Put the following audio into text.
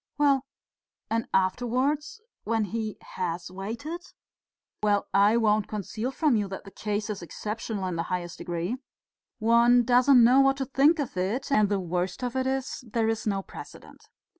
"Well, and afterwards, when he has waited?" "Well, I won't conceal from you that the case is exceptional in the highest degree. One doesn't know what to think of it, and the worst of it is there is no precedent.